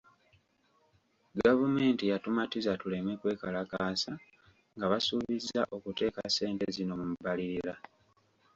Gavumenti yatumatiza tuleme kwekalakaasa nga basuubizza okuteeka ssente zino mu mbalirira.